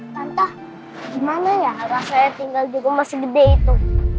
tante gimana ya rasanya tinggal di rumah segede itu